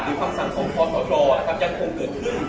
หรือความสั่งของศสยังคงเกิดขึ้น